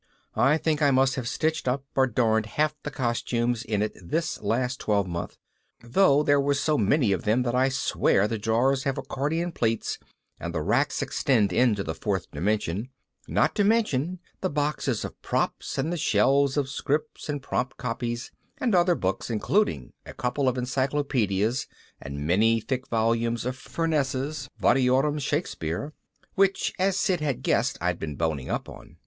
I think I must have stitched up or darned half the costumes in it this last twelvemonth, though there are so many of them that I swear the drawers have accordion pleats and the racks extend into the fourth dimension not to mention the boxes of props and the shelves of scripts and prompt copies and other books, including a couple of encyclopedias and the many thick volumes of Furness's Variorum Shakespeare, which as Sid had guessed I'd been boning up on.